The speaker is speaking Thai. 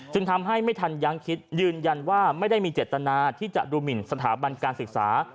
ทำให้ไม่ทันยังคิดยืนยันว่าไม่ได้มีเจตนาที่จะดูหมินสถาบันการศึกษา